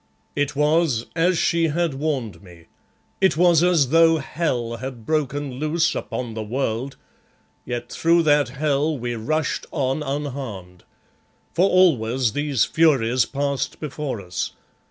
It was as she had warned me. It was as though hell had broken loose upon the world, yet through that hell we rushed on unharmed. For always these furies passed before us.